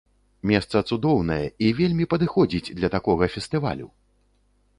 Месца цудоўнае і вельмі падыходзіць для такога фестывалю!